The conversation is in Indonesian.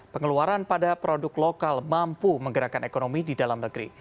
pengeluaran pada produk lokal mampu menggerakkan ekonomi di dalam negeri